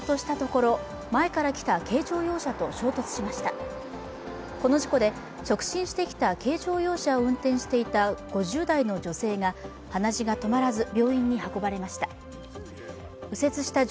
この事故で直進してきた軽乗用車を運転していた５０代の女性が鼻血が止まらず病院に運ばれました。